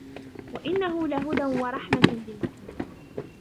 وَإِنَّهُ لَهُدًى وَرَحْمَةٌ لِلْمُؤْمِنِينَ